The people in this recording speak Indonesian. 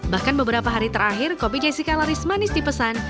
bahkan beberapa hari terakhir kopi jessica laris manis dipesan